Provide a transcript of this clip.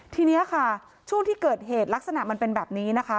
ทีนี้ค่ะช่วงที่เกิดเหตุลักษณะมันเป็นแบบนี้นะคะ